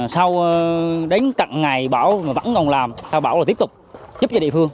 sau đến cặn ngày bão vẫn còn làm sau bão là tiếp tục giúp cho địa phương